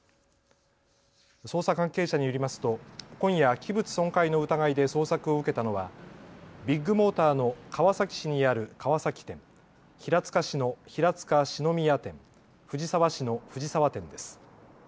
捜査関係者によりますと今夜、器物損壊の疑いで捜索を受けたのはビッグモーターの川崎市にある川崎店、平塚市の平塚四之宮店、藤沢市の藤沢店です。